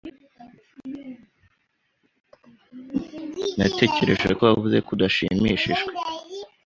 Natekereje ko wavuze ko udashimishijwe.